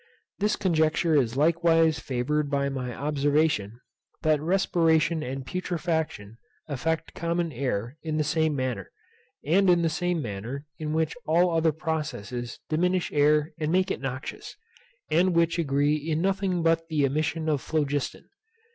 This conjecture is likewise favoured by my observation, that respiration and putrefaction affect common air in the same manner, and in the same manner in which all other processes diminish air and make it noxious, and which agree in nothing but the emission of phlogiston.